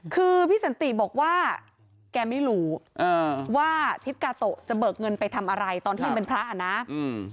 คือพี่สันติบอกว่าแกไม่รู้อ่าว่าทิศกาโตะจะเบิกเงินไปทำอะไรตอนที่ยังเป็นพระอ่ะนะอืม